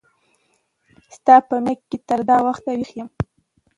ستا په مینه کی تر دا وخت ویښ یم